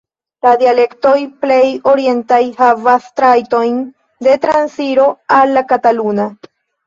La dialektoj plej orientaj havas trajtojn de transiro al la kataluna.